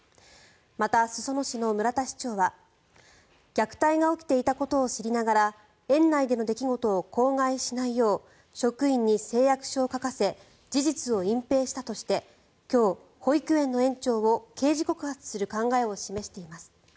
また、裾野市の村田市長は虐待が起きていたことを知りながら園内での出来事を口外しないよう職員に誓約書を書かせ事実を隠ぺいしたとして今日、保育園の園長を刑事告発する考えを示しています。